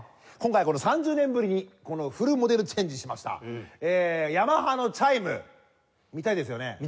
今回３０年ぶりにフルモデルチェンジしましたヤマハのチャイム見たいですよね？